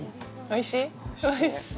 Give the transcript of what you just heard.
おいしい。